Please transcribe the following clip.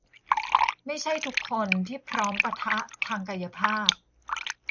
ไม่ใช่ทุกคนที่พร้อมปะทะทางกายภาพ